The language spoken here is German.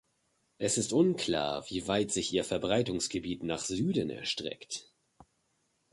Es ist unklar, wie weit sich ihr Verbreitungsgebiet nach Süden erstreckt.